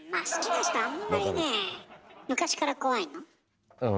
昔から怖いの？